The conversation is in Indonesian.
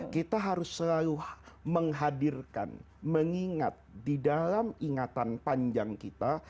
kita harus selalu menghadirkan mengingat di dalam ingatan panjang kita